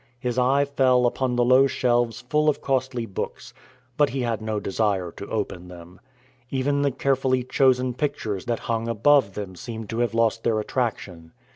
His eye fell upon the low shelves full of costly books, but he had no desire to open them. Even the carefully chosen pictures that hung above them seemed to have lost their attraction.